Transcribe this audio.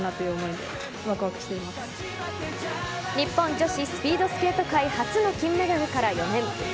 日本女子スピードスケート界初の金メダルから４年。